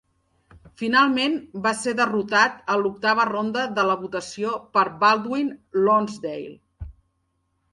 Finalment, va ser derrotat a l"octava ronda de la votació per Baldwin Lonsdale.